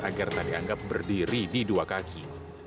agar tak dianggap berdiri di dua kaki